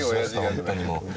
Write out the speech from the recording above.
本当にもう。